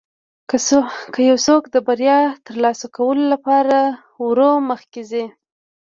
که یو څوک د بریا ترلاسه کولو لپاره ورو مخکې ځي.